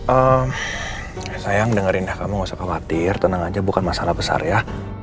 eh sayang dengerin ya kamu gak usah khawatir tenang aja bukan masalah besar ya